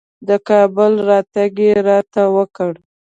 د کابل راتګ یې راته وکړ.